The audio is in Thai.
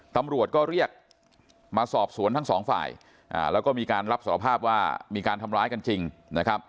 ตำรวจก็เรียกมาสอบสวนทั้งสองฝ่ายแล้วก็มีการรับสารภาพว่ามีการทำร้ายกันจริงนะครับ